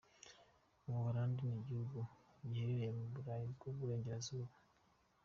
U Buholandi ni igihugu giherereye mu Burayi bw’Uburengerazuba.